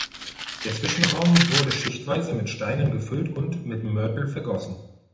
Der Zwischenraum wurde schichtweise mit Steinen gefüllt und mit Mörtel vergossen.